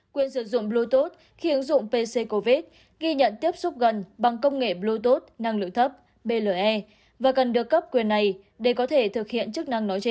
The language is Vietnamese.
quyền sử dụng bluetooth khi ứng dụng pc covid ghi nhận tiếp xúc gần bằng công nghệ bluetoot năng lượng thấp ble và cần được cấp quyền này để có thể thực hiện chức năng nói trên